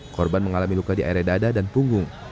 korban mengalami luka di area dada dan punggung